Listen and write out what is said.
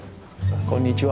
こんにちは。